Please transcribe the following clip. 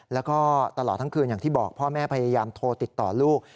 แล้วก็ตลอดทั้งคืนอย่างที่บอกพ่อแม่พยายามโทรติดต่อลูก